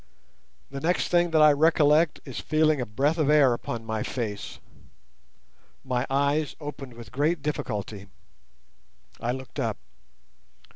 The next thing that I recollect is feeling a breath of air upon my face. My eyes opened with great difficulty. I looked up.